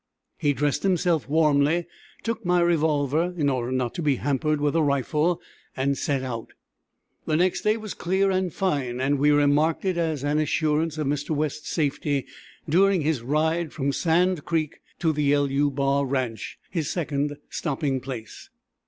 He dressed himself warmly, took my revolver, in order not to be hampered with a rifle, and set out. The next day was clear and fine, and we remarked it as an assurance of Mr. West's safety during his ride from Sand Creek to the =LU= bar ranch, his second stopping place.